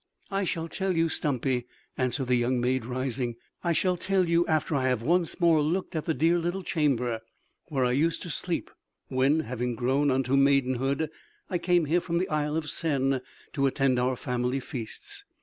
"I shall tell you, Stumpy," answered the young maid rising; "I shall tell you after I have once more looked at the dear little chamber where I used to sleep when, having grown unto maidenhood, I came here from the Isle of Sen to attend our family feasts."